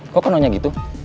kok kenalnya gitu